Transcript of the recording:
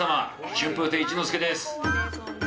春風亭一之輔です。